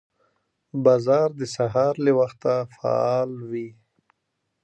بازار د سهار له وخته فعال وي